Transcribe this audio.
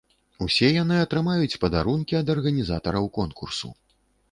Усе яны атрымаюць падарункі ад арганізатараў конкурсу.